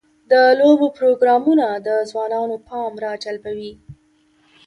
د لوبو پروګرامونه د ځوانانو پام راجلبوي.